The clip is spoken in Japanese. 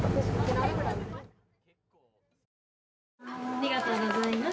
ありがとうございます。